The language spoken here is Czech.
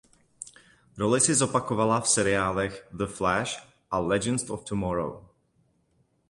Roli si zopakovala v seriálech "The Flash" a "Legends of Tomorrow".